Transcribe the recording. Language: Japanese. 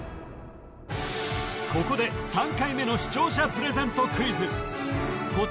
ここで３回目の視聴者プレゼント